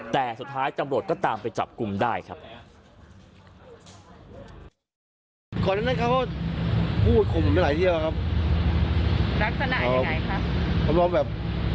แต่สุดท้ายตำรวจก็ตามไปจับกลุ่มได้ครับ